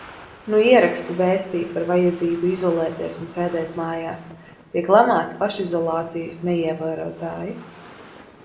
Nu ieraksti vēstī par vajadzību izolēties un sēdēt mājās, tiek lamāti pašizolācijas neievērotāji.